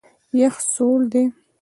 یخ سوړ دی.